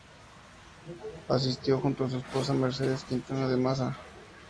Asistió junto a su esposa Mercedes Quintana de Massa.